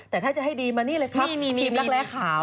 แต่ถ้าจะให้ดีมานี่เลยครับทีมรักแร้ขาว